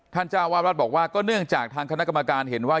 เจ้าวาดวัดบอกว่าก็เนื่องจากทางคณะกรรมการเห็นว่า